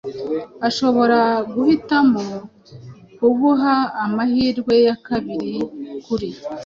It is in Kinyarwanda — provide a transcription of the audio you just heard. ushobora guhitamo kuguha amahirwe ya kabiri kuri